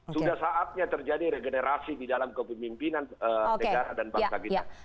sudah saatnya terjadi regenerasi di dalam kepemimpinan negara dan bangsa kita